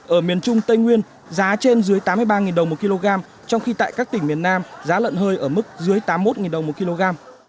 ở miền trung tây nguyên giá trên dưới tám mươi ba đồng một kg trong khi tại các tỉnh miền nam giá lợn hơi ở mức dưới tám mươi một đồng một kg